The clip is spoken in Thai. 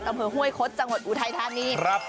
อำเภอห้วยคดจังหวัดอุทัยธานีครับ